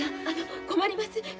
あの困ります。